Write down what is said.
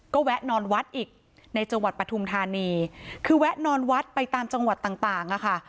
ก็แวะนอนวัดอีกในจังหวัดปฐุมธานีคือแวะนอนวัดไปตามจังหวัดต่างต่างอะค่ะ